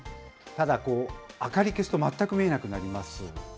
ただ、明かり消すと全く見えなくなります。